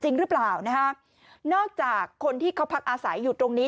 จริงหรือเปล่านะฮะนอกจากคนที่เขาพักอาศัยอยู่ตรงนี้